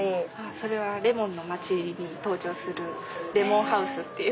それはレモンの街に登場するレモンハウスっていう。